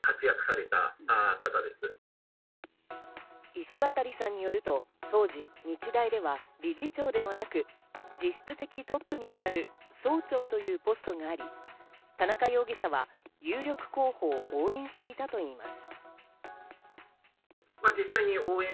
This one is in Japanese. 石渡さんによると、当時、日大では理事長ではなく、実質的トップにあたる総長というポストがあり、田中容疑者は有力候補を応援していたといいます。